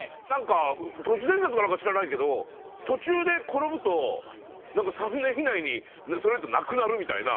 都市伝説か何か知らないけど途中で転ぶと３年以内にその人亡くなるみたいな。